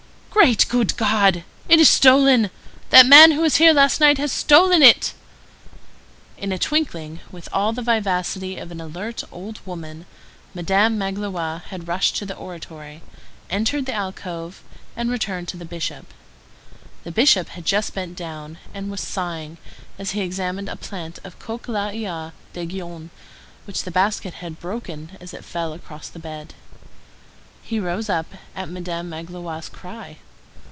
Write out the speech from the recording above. "Great, good God! It is stolen! That man who was here last night has stolen it." In a twinkling, with all the vivacity of an alert old woman, Madame Magloire had rushed to the oratory, entered the alcove, and returned to the Bishop. The Bishop had just bent down, and was sighing as he examined a plant of cochlearia des Guillons, which the basket had broken as it fell across the bed. He rose up at Madame Magloire's cry.